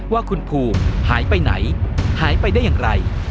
ว่าคุณภูหายไปไหนหายไปได้อย่างไร